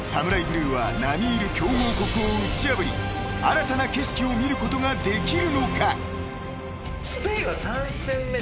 ブルーは並み居る強豪国を打ち破り新たな景色を見ることができるのか？］